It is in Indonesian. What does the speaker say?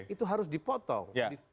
itu harus dipotong